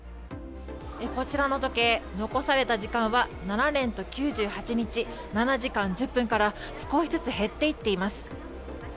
こちらの時計残された時間は７年と９８日７時間１０分から少しずつ減っていっています。